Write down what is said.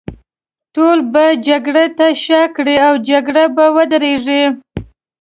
ټول به جګړې ته شا کړي، او جګړه به ودرېږي.